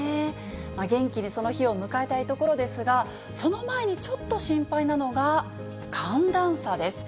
元気にその日を迎えたいところですが、その前にちょっと心配なのが、寒暖差です。